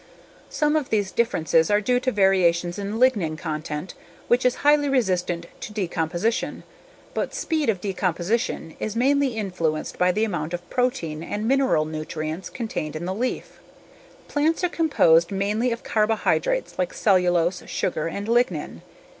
Some of these differences are due to variations in lignin content which is highly resistant to decomposition, but speed of decomposition is mainly influenced by the amount of protein and mineral nutrients contained in the leaf. Plants are composed mainly of carbohydrates like cellulose, sugar, and lignin.